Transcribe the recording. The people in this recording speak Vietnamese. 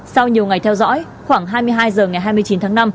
sau nhiều ngày theo dõi khoảng hai mươi hai h ngày hai mươi chín tháng năm